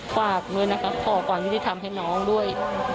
ฝากด้วยนะคะขอความยุติธรรมให้น้องด้วย